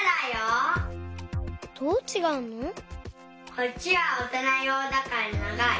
こっちはおとなようだからながい。